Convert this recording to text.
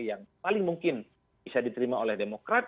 yang paling mungkin bisa diterima oleh demokrat